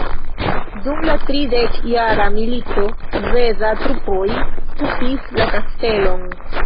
Dum la tridekjara milito sveda trupoj okupis la kastelon.